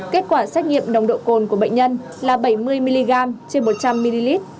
kết quả xét nghiệm nồng độ cồn của bệnh nhân là bảy mươi mg trên một trăm linh ml